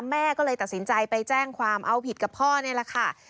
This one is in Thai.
แม่ก็เลยตัดสินใจไปแจ้งความเอาผิดกับพ่อนี่แหละค่ะ